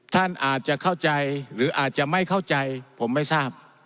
ท่านอาจจะเข้าใจหรืออาจจะไม่เข้าใจผมไม่ทราบ